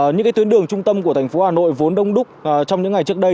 những tuyến đường trung tâm của tp hcm vốn đông đúc trong những ngày trước đây